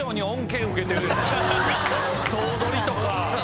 頭取とか。